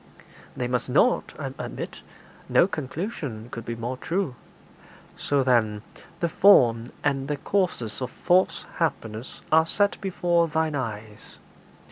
'They must not, I admit. No conclusion could be more true.' 'So, then, the form and the causes of false happiness are set before thine eyes.